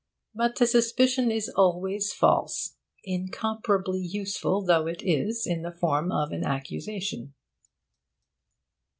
But the suspicion is always false, incomparably useful though it is in the form of an accusation.